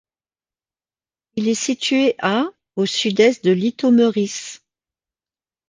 Il est situé à au sud-est de Litoměřice.